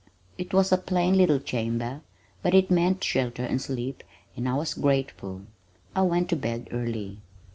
It was a plain little chamber, but it meant shelter and sleep and I was grateful. I went to bed early.